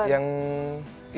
yang menurutku suara